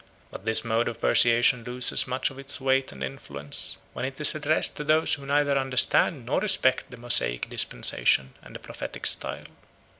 But this mode of persuasion loses much of its weight and influence, when it is addressed to those who neither understand nor respect the Mosaic dispensation and the prophetic style.